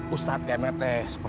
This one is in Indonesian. ustaz gmt seperti apa